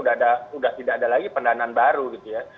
sudah tidak ada lagi pendanaan baru gitu ya